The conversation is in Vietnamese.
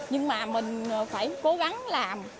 nhưng mà mình phải cố gắng làm